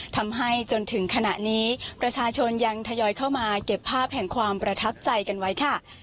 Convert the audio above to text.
ทำให้จนถึงขณะนี้ประชาชนยังทยอยเข้ามาเก็บภาพแห่งความประทับใจกันไว้ค่ะ